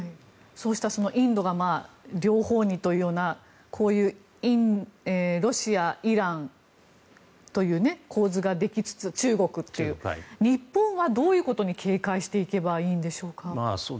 そうしたインドが両方にというようなこういうロシア、イランという構図ができつつ中国っていう日本はどういうことに警戒していけばいいんでしょうか？